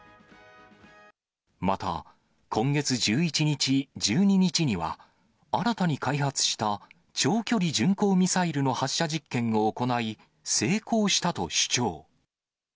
また、今月１１日、１２日には、新たに開発した長距離巡航ミサイルの発射実験を行い、成功したと主張。